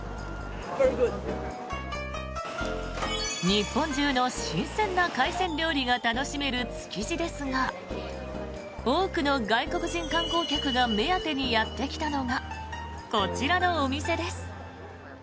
日本中の新鮮な海鮮料理が楽しめる築地ですが多くの外国人観光客が目当てにやってきたのがこちらのお店です。